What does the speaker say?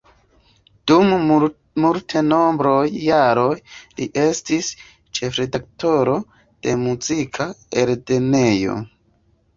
Dum multenombraj jaroj, li estis ĉefredaktoro de muzika eldonejo.